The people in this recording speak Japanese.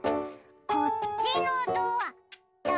こっちのドアだあれ？